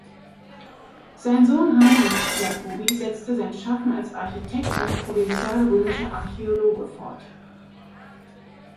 Sein Sohn Heinrich Jacobi setzte sein Schaffen als Architekt und provinzialrömischer Archäologe fort.